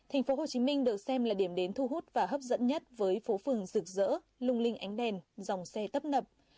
thành phố hồ chí minh được xem là điểm đến thu hút và hấp dẫn nhất với phố phường rực rỡ lung linh ánh đèn dòng xe tấp nập